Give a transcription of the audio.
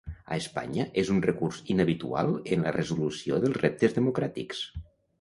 A Espanya és un recurs inhabitual en la resolució dels reptes democràtics